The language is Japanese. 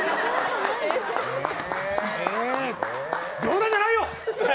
冗談じゃないよ！